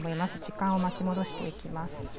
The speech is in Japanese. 時間を巻き戻していきます。